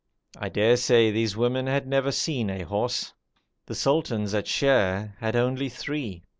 I dare say these women had never seen a horse. The sultans at Sheher had only three.